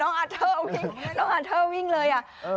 น้องอาเตอร์วิ่งน้องอาเตอร์วิ่งเลย